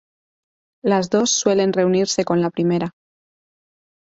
Las dos suelen reunirse con la primera.